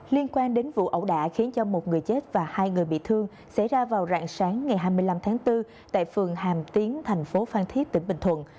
liên quan đến vụ ẩu đả khiến cho một người chết và hai người bị thương xảy ra vào rạng sáng ngày hai mươi năm tháng bốn tại phường hàm tiến thành phố phan thiết tỉnh bình thuận